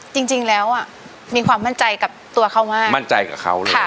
จริงแล้วอ่ะมีความมั่นใจกับตัวเขามากมั่นใจกับเขาเลยค่ะ